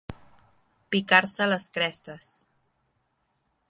Picar-se les crestes.